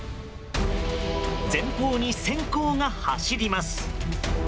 前方に閃光が走ります。